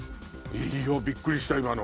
びっくりした今の。